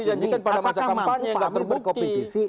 apakah mampu pak amin berkompetisi